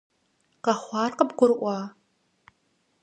Къэхъуар къыбгурыӀуа?